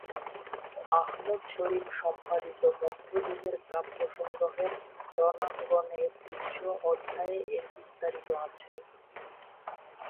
আহমদ শরীফ সম্পাদিত মধ্যযুগের কাব্য-সংগ্রহের 'রণাঙ্গন-এর দৃশ্য'- অধ্যায়ে এর বিস্তারিত আছে।